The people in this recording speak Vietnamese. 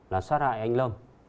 là sát hại anh lâm